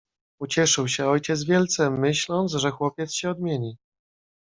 "Ucieszył się ojciec wielce, myśląc, że chłopiec się odmieni."